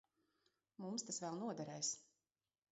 Mums tas vēl noderēs.